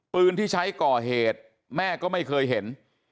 ปืนที่ใช้ก่อเหตุแม่ก็ไม่เคยเห็น